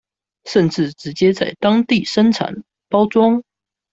甚至直接在當地生產、包裝